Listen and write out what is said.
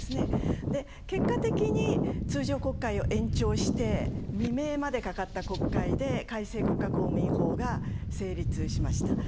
結果的に通常国会を延長して未明までかかった国会で改正国家公務員法が成立しました。